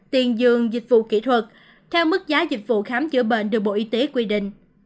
tiền dường dịch vụ kỹ thuật theo mức giá dịch vụ khám chữa bệnh được bộ y tế quy định